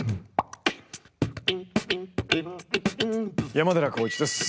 山寺宏一です。